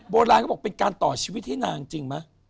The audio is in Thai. โบราณเขาบอกเป็นการต่อชีวิตให้นางจริงไหม